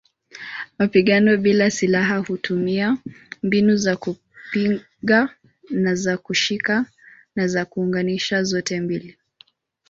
Mapigano bila silaha hutumia mbinu za kupiga, za kushika na za kuunganisha zote mbili.